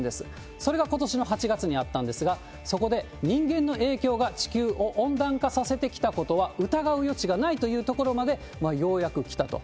それがことしの８月にあったんですが、そこで人間の影響が地球を温暖化させてきたことは疑う余地がないというところまでようやくきたと。